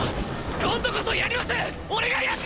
今度こそやります！